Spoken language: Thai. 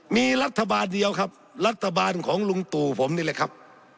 มีรัฐบาลเดียวครับรัฐบาลของลุงตู่ผมนี่แหละครับ